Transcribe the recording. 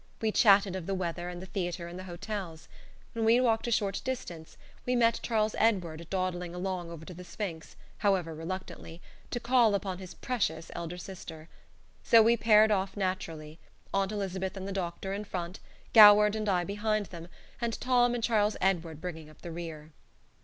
We chatted of the weather and the theatre and hotels. When we had walked a short distance, we met Charles Edward dawdling along over to "The Sphinx" (however reluctantly) to call upon his precious elder sister. So we paired off naturally: Aunt Elizabeth and the doctor in front, Goward and I behind them, and Tom and Charles Edward bringing up the rear.